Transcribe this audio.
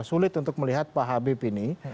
sulit untuk melihat pak habib ini